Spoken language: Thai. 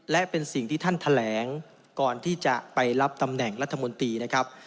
และเป็นสิ่งที่ท่านแถลงก่อนที่จะไปรับตำแหน่งรัฐมนตรีนะครับ